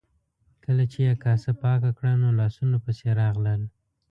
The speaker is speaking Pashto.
کله چې یې کاسه پاکه کړه نو لاسونو پسې راغلل.